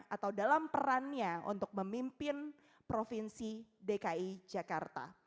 atau dalam perannya untuk memimpin provinsi dki jakarta